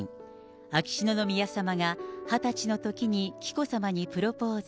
秋篠宮さまが２０歳のときに紀子さまにプロポーズ。